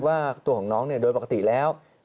ว่าตัวของน้องโดยปกติแล้ว